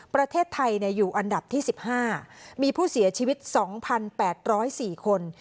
ประเทศไทยอยู่อันดับที่๑๕มีผู้เสียชีวิต๒๘๐๔คน